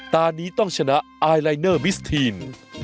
ตอนนี้ต้องชนะไอลายเนอร์มิสทีน